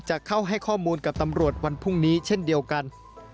จะเข้าให้ข้อมูลกับตำรวจวันพรุ่งนี้เช่นเดียวกัน